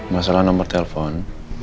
masalah nomor telepon